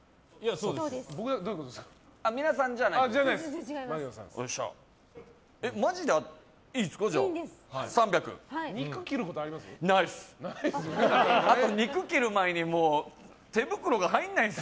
そうです。